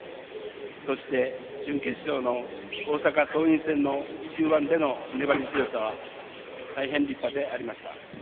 そして、準決勝の大阪桐蔭戦の終盤での粘り強さは大変立派でありました。